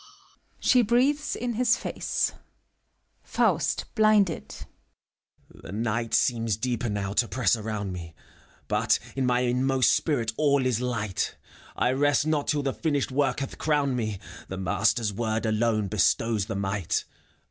(She breathes in his face,) FAUST (blinded). The Night seems deeper now to press around me, ACT V, 239 But in my inmost spirit all is light; I rest not till the finished work hath crowned me : The master's Word alone bestows the might.